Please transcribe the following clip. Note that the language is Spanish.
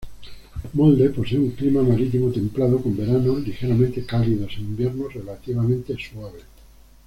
Molde posee un clima marítimo templado con veranos ligeramente cálidos e inviernos relativamente suaves.